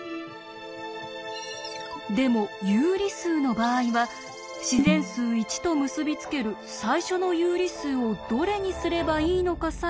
でも有理数の場合は自然数「１」と結び付ける最初の有理数をどれにすればいいのかさえ